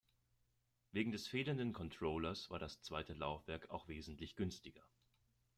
Wegen des fehlenden Controllers war das zweite Laufwerk auch wesentlich günstiger.